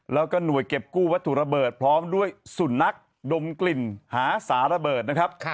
แล้วก็หน่วยเก็บกู้วัตถุระเบิดพร้อมด้วยสุนัขดมกลิ่นหาสาระเบิดนะครับ